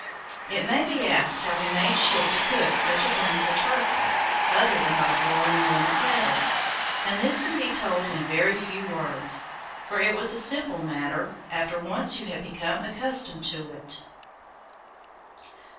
It may be asked how we made shift to cook such a thing as a turkey, other than by boiling it in a kettle, and this can be told in very few words, for it was a simple matter after once you had become accustomed to it.